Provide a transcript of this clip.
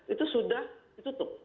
itu sudah ditutup